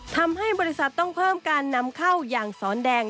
ทำให้บริษัทต้องเพิ่มการนำเข้าอย่างสอนแดง